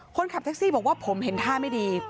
คนขับแท็กซี่บอกว่าผมเห็นท่าไม่ดี